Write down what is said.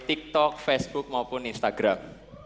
tiktok facebook maupun instagram